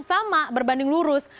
sama berbanding lurus